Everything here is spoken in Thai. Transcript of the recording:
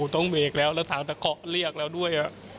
ต้องเบรกแล้วแล้วทางตะเกาะเรียกแล้วด้วย